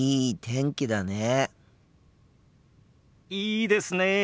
いいですねえ。